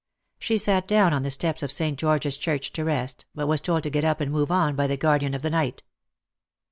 She sat down on the steps of St. George's Church to rest, but was told to get up and move on by the guardian of the night.